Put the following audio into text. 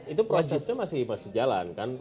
itu prosesnya masih jalan kan